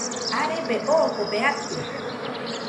arebe oogobe atɨ